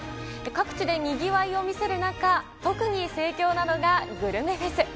各地でにぎわいを見せる中、特に盛況なのがグルメフェス。